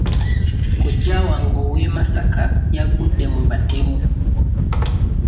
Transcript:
Kojja wange ow'e Masaka yagudde mu batemu.